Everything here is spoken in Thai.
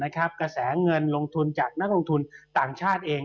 กระแสเงินลงทุนจากนักลงทุนต่างชาติเอง